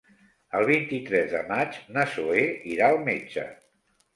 El vint-i-tres de maig na Zoè irà al metge.